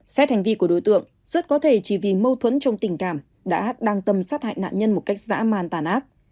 xét hành vi của đối tượng rất có thể chỉ vì mâu thuẫn trong tình cảm đã đang tâm sát hại nạn nhân một cách dã man tàn ác